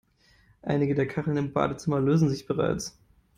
Einige der Kacheln im Badezimmer lösen sich bereits.